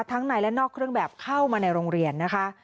ในและนอกเครื่องแบบเข้ามาในโรงเรียนนะคะ